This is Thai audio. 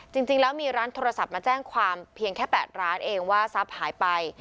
จริงแล้วมีร้านโทรศัพท์มาแจ้งความเพียงแค่๘ร้านเองว่าทรัพย์หายไป